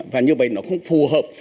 và như vậy nó không phù hợp